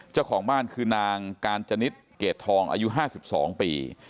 เจ้าของบ้านคือนางกาญจนิดเกรดทองอายุ๕๒ปี